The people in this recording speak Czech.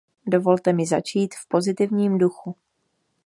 Dovolte mi začít v pozitivním duchu.